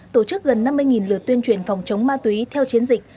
tổ chức gần năm mươi lượt tuyên truyền phòng chống ma túy theo chiến dịch